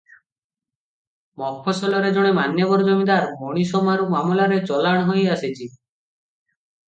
ମଫସଲରେ ଜଣେ ମାନ୍ୟବର ଜମିଦାର ମଣିଷମାରୁ ମାମଲାରେ ଚଲାଣ ହୋଇ ଆସଛି ।